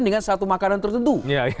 dengan satu makanan tertentu